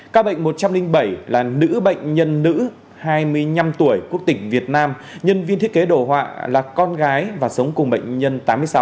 các bệnh một trăm linh bảy là nữ bệnh nhân nữ hai mươi năm tuổi quốc tịch việt nam nhân viên thiết kế đồ họa là con gái và sống cùng bệnh nhân tám mươi sáu